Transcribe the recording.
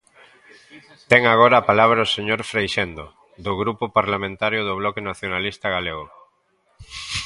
Ten agora a palabra o señor Freixendo, do Grupo Parlamentario do Bloque Nacionalista Galego.